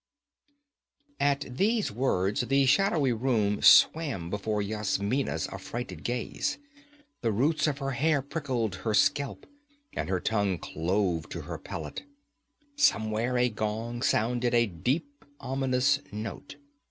_' At these words the shadowy room swam before Yasmina's affrighted gaze. The roots of her hair prickled her scalp, and her tongue clove to her palate. Somewhere a gong sounded a deep, ominous note.